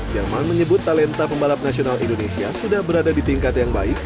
jerman menyebut talenta pembalap nasional indonesia sudah berada di tingkat yang baik